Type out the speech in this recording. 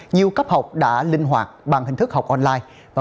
nhiều cấp học đã linh hoạt bằng hình thức học online